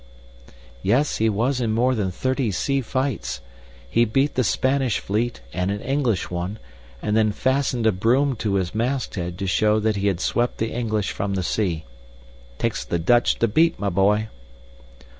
"Yes, he was in more than thirty sea fights. He beat the Spanish fleet and an English one, and then fastened a broom to his masthead to show that he had swept the English from the sea. Takes the Dutch to beat, my boy!"